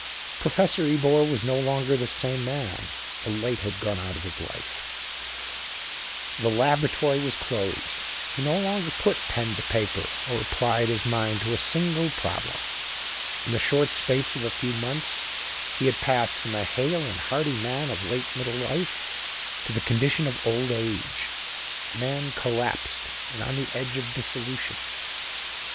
Professor Ebor was no longer the same man. The light had gone out of his life; the laboratory was closed; he no longer put pen to paper or applied his mind to a single problem. In the short space of a few months he had passed from a hale and hearty man of late middle life to the condition of old age a man collapsed and on the edge of dissolution.